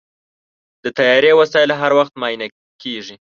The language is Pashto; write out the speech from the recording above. د طیارې وسایل هر وخت معاینه کېږي.